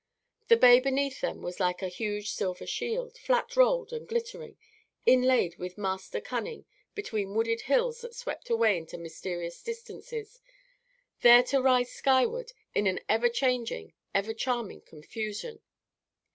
The bay beneath them was like a huge silver shield, flat rolled and glittering, inlaid with master cunning between wooded hills that swept away into mysterious distances, there to rise skyward in an ever changing, ever charming confusion.